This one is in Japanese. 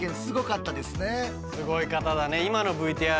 すごい方だね。